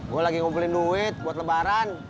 gue lagi ngumpulin duit buat lebaran